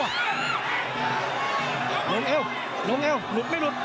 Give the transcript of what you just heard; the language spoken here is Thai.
ลงเอวลงเอวหลุบไม่หลุบ